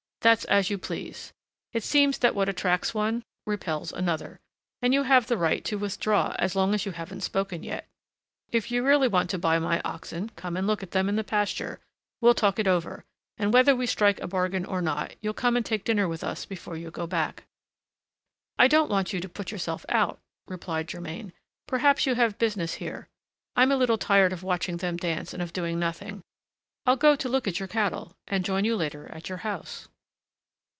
That's as you please. It seems that what attracts one repels another, and you have the right to withdraw as long as you haven't spoken yet. If you really want to buy my oxen, come and look at them in the pasture; we'll talk it over, and whether we strike a bargain or not, you'll come and take dinner with us before you go back." "I don't want you to put yourself out," replied Germain, "perhaps you have business here; I'm a little tired of watching them dance and of doing nothing. I'll go to look at your cattle, and join you later at your house."